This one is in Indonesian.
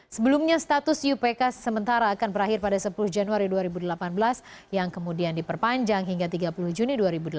sebelumnya status iupk sementara akan berakhir pada sepuluh januari dua ribu delapan belas yang kemudian diperpanjang hingga tiga puluh juni dua ribu delapan belas